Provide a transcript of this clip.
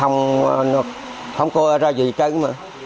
nó không có ra gì trên mà